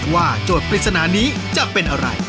โจทย์ปริศนานี้จะเป็นอะไร